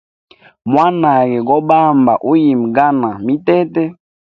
Mwanage go bamba uyimgana mitete.